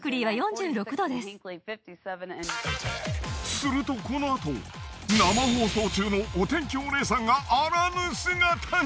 するとこのあと生放送中のお天気お姉さんがあらぬ姿に！